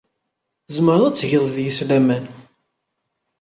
Tzemreḍ ad tgeḍ deg-s laman.